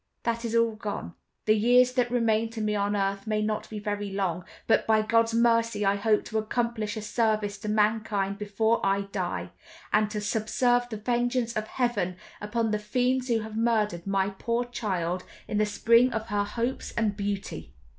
That is all gone. The years that remain to me on earth may not be very long; but by God's mercy I hope to accomplish a service to mankind before I die, and to subserve the vengeance of Heaven upon the fiends who have murdered my poor child in the spring of her hopes and beauty!"